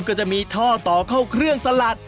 ก็จะมีท่อต่อเข้าเครื่องสลัด